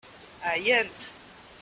Ɛyant.